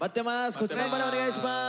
こちらまでお願いします。